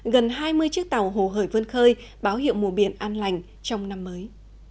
gần hai mươi chiếc tàu hồ hởi vươn khơi báo hiệu mùa biển an lành trong năm mới